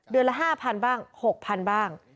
ละ๕๐๐๐บ้าง๖๐๐๐บ้าง